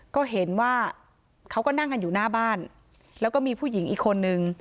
ก็เห็นว่าเขาก็นั่งกันอยู่หน้าบ้านแล้วก็มีผู้หญิงอีกคนนึง